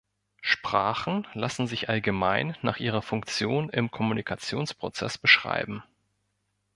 Sprachen lassen sich allgemein nach ihrer Funktion im Kommunikationsprozess beschreiben.